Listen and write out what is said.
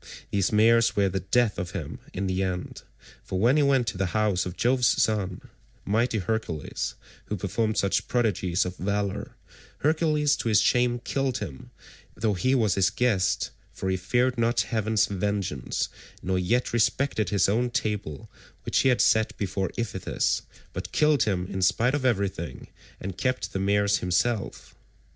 These mares were the death of him in the end, for when he went to the house of Jove's son, mighty Hercules, who performed such prodigies of valour, Hercules to his shame killed him, though he was his guest, for he feared not heaven's vengeance, nor yet respected his own table which he had set before Iphitus, but killed him in spite of everything, and kept the mares himself.